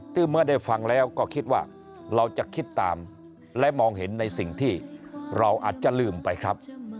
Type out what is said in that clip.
เมื่อได้ฟังแล้วก็คิดว่าเราจะคิดตามและมองเห็นในสิ่งที่เราอาจจะลืมไปครับ